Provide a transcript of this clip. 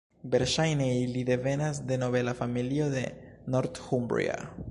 Verŝajne ili devenas de nobela familio de Northumbria.